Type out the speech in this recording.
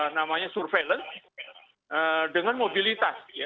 namanya surveillance dengan mobilitas